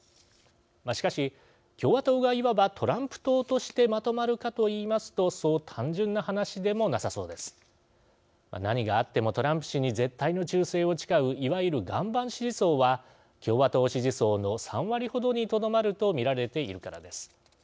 しかし、共和党がいわばトランプ党としてまとまるかと言いますとそう単純な話でもなさそうです。何があってもトランプ氏に絶対の忠誠を誓ういわゆる岩盤支持層は共和党支持層の３割程にとどまると見られているからです。